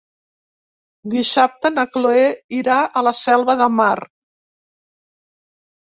Dissabte na Chloé irà a la Selva de Mar.